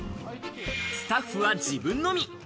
スタッフは自分のみ。